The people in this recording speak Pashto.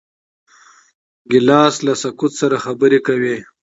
ګیلاس له سکوت سره خبرې کوي.